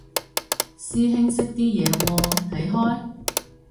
師兄識啲嘢喎，睇開？